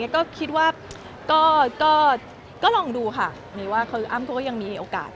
ก็คิดว่าก็ลองดูค่ะมีว่าคืออ้ำเขาก็ยังมีโอกาส